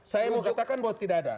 saya mau katakan bahwa tidak ada